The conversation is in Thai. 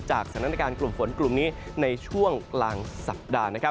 จากผลักษณะสถานการณ์กลุ่มฝนกลุ่มนี้ในช่วงล่างสัปดาห์